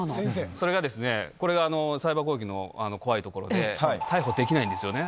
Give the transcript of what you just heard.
それがですね、これがサイバー攻撃の怖いところで、逮捕できないんですよね。